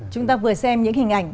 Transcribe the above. chúng ta vừa xem những hình ảnh